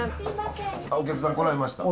あっお客さん来られました。